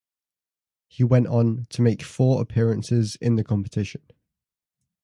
He went on to make four appearances in the competition.